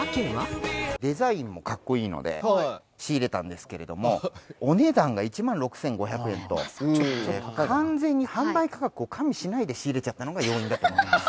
デザインもかっこいいので仕入れたんですけれどもお値段が１万６５００円と完全に販売価格を加味しないで仕入れちゃったのが要因だと思います。